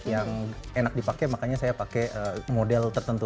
yang enak dipakai makanya saya pakai model tertentu